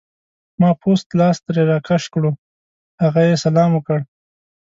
ما پوست لاس ترې راکش کړو، هغه یې سلام وکړ.